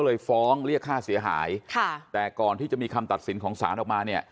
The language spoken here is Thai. เลยฟ้องเรียกค่าเสียหายค่ะแต่ก่อนที่จะมีคำตัดสินของศาลออกมาเนี่ย